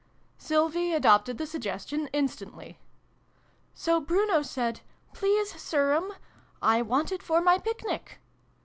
Sylvie adopted the suggestion instantly. " So Bruno said ' Please, Sirm, I want it for my Picnic.'